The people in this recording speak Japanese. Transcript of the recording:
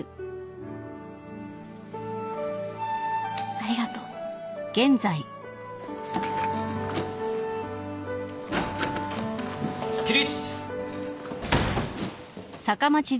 ありがとう起立。